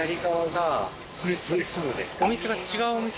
お店が違うお店？